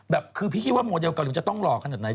แบบคือพี่คิดว่าโมเดลเกาหลีจะต้องหล่อขนาดไหน